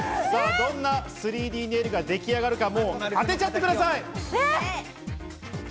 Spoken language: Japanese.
どんな３Ｄネイルができ上がるか、もう当てちゃってください！